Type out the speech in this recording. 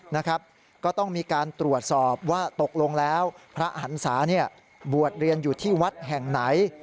นะครับก็ต้องมีการตรวจสอบว่าตกลงแล้วพระหันศาเนี่ยบวชเรียนอยู่ที่วัดแห่งไหน